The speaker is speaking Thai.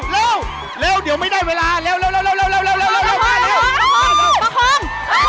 มือไม่ต้องเลื่อน